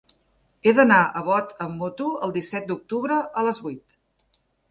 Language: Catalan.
He d'anar a Bot amb moto el disset d'octubre a les vuit.